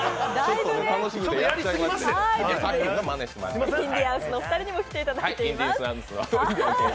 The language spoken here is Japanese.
インディアンスのお二人にも来ていただいています。